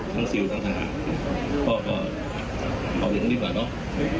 ทั้งซิลทั้งทหารก็เอาอยู่ตรงนี้ก่อนเนอะ